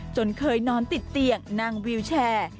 เคยนอนติดเตียงนั่งวิวแชร์